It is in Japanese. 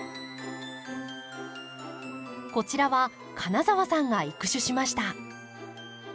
こちらは金澤さんが育種しました。